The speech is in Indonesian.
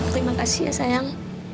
terima kasih ya sayang